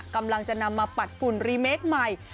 กำลังจะนำมาปัดฝุ่นรีเมคใหม่